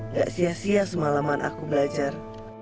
gak sia sia semalaman aku belajar